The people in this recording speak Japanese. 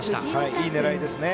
いい狙いですね。